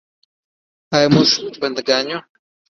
آیا موږ بنده ګان یو؟